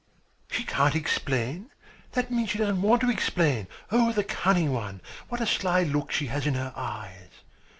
"She can't explain! That means she doesn't want to explain. Oh, the cunning one. What a sly look she has in her eyes."